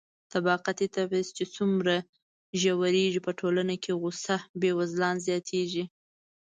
طبقاتي تبعيض چې څومره ژورېږي، په ټولنه کې غوسه بېوزلان زياتېږي.